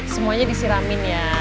semuanya disiramin ya